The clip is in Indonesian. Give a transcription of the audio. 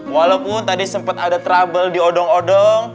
walaupun tadi sempet ada trouble di odong odong